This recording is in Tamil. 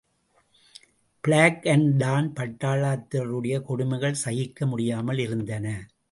பிளாக் அண்டு டான் பட்டாளத்தாருடைய கொடுமைகள் சகிக்க முடியாமல் இருந்தன.